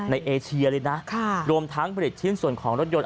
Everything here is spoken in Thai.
เอเชียเลยนะรวมทั้งผลิตชิ้นส่วนของรถยนต์